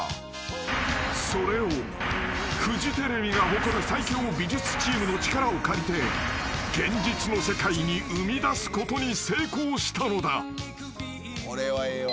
［それをフジテレビが誇る最強美術チームの力を借りて現実の世界に生みだすことに成功したのだ］